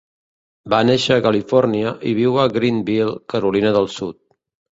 Va néixer a Califòrnia i viu a Greenville, Carolina del Sud.